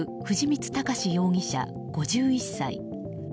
藤光孝志容疑者、５１歳。